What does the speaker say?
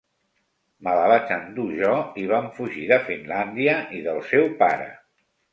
Me la vaig endur jo i vam fugir de Finlàndia i del seu pare.